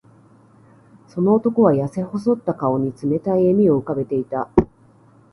その男は、やせ細った顔に冷たい笑みを浮かべていた。